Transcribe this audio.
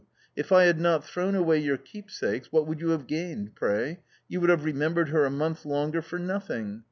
If I had not thrown away your keepsakes what would you have gained, pray ?; You would have remembered her a month longer for nothing.